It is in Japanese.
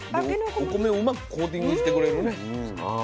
お米をうまくコーティングしてくれるねバター。